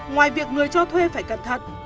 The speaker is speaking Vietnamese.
ngoài việc người cho thuê phải cẩn thận